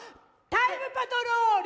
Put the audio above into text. タイムパトロール！